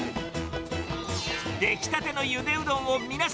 出来たてのゆでうどんを皆さ